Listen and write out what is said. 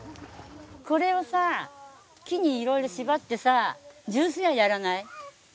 これをさ木にいろいろ縛ってさジュース屋やらない？